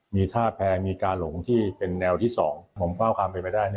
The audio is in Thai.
มีท่าแพ้มีการหลงที่เป็นแนวที่สองผมเฝ้าความเป็นไปได้